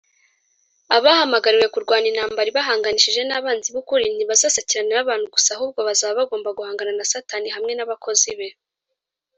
abahamagariwe kurwana intambara ibahanganishije n’abanzi b’ukuri ntibazasakirana n’abantu gusa, ahubwo bazaba bagomba guhangana na satani hamwe n’abakozi be